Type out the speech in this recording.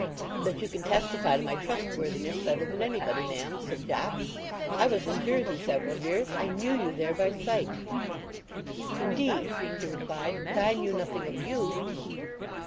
"But you can testify to my trustworthiness better than anybody, ma'am," said Jopp. "I was in Jersey several years, and knew you there by sight." "Indeed," she replied. "But I knew nothing of you."